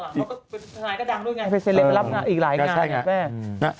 ธนายก็ดังด้วยไงไปเซเลนส์มารับอีกหลายงานเนี่ยแม่